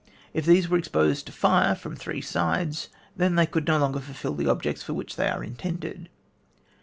If these were exposed to fire from three sides, then they could no longer fulfil the objects for which they are intended.